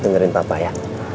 dengerin papa ya